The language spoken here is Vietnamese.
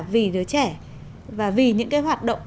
vì đứa trẻ và vì những cái hoạt động